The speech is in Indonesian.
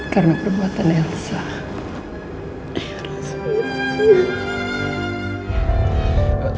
karena perbuatan elsa